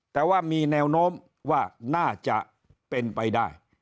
แต่ว่ามีแนวโน้มว่าน่าจะเป็นไปได้